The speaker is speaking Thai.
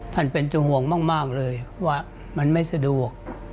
ท่านเป็นเจ้าห่วงมากเลยว่ามันไม่สะดวก